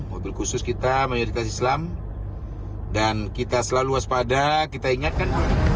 mobil khusus kita mayoritas islam dan kita selalu waspada kita ingatkan